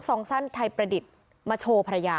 องสั้นไทยประดิษฐ์มาโชว์ภรรยา